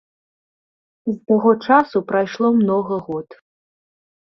З таго часу прайшло многа год.